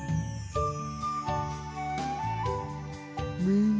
うん！